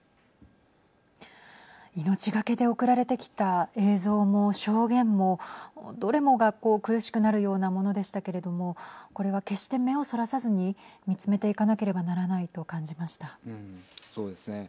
命懸けで送られてきた映像も証言もどれもがこう、苦しくなるようなものでしたけれどもこれは決して目をそらさずに見つめていかなければならないそうですね。